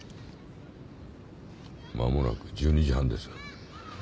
間もなく１２時半です。